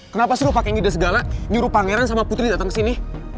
kenapa sih lo pake ngide segala nyuruh pangeran sama putri dateng kesini